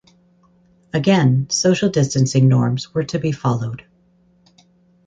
Again social distancing norms were to be followed.